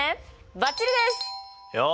バッチリです！よし！